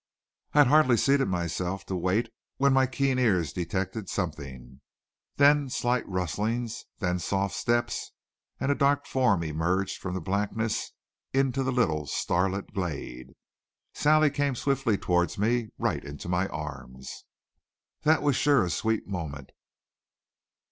I had hardly seated myself to wait when my keen ears detected something, then slight rustlings, then soft steps, and a dark form emerged from the blackness into the little starlit glade. Sally came swiftly towards me and right into my arms. That was sure a sweet moment.